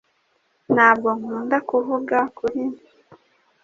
Ntabwo nkunda kuvuga kuri